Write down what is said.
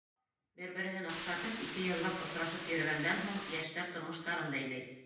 Бер-береһен оҡшатып ике йыллап осрашып йөрөгәндән һуң, йәштәр тормоштарын бәйләй.